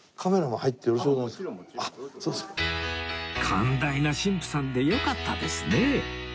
寛大な神父さんでよかったですね